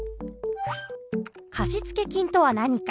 貸付金とは何か。